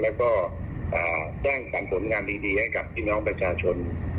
แล้วก็สร้างสรรค์ผลงานดีให้กับพี่น้องประชาชน